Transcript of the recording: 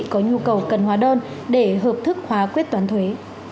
có nhu cầu cần hóa đơn để hợp thức hóa quyết toán thuế